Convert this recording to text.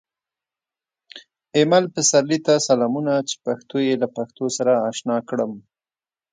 ایمل پسرلي ته سلامونه چې پښتو یې له پښتو سره اشنا کړم